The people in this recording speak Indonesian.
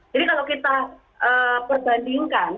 jadi kalau kita perbandingkan